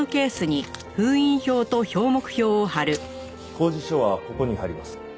公示書はここに貼ります。